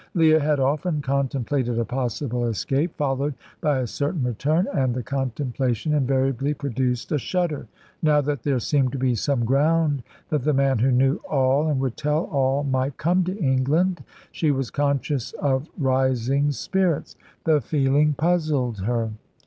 Leah had often contemplated a possible escape, followed by a certain return, and the contemplation invariably produced a shudder. Now that there seemed to be some ground that the man who knew all and would tell all might come to England, she was conscious of rising spirits. The feeling puzzled her.